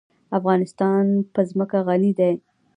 افغانستان په ځمکه غني دی.